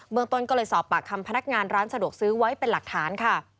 เมืองต้นก็เลยสอบปากคำพนักงานร้านสะดวกซื้อไว้เป็นหลักฐานค่ะ